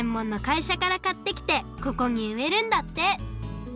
いしゃからかってきてここにうえるんだって。